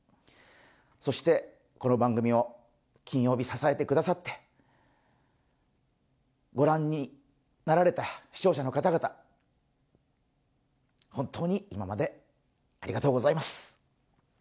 そしてこの番組を金曜日、支えてくださってご覧になられた視聴者の方々、本当に今までありがとうございます。